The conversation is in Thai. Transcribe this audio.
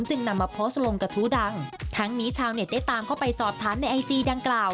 นำมาโพสต์ลงกระทู้ดังทั้งนี้ชาวเน็ตได้ตามเข้าไปสอบถามในไอจีดังกล่าว